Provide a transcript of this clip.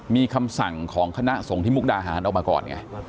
มีคำสั่งของคณะส่งที่มุกดาหารออกมาก่อนไง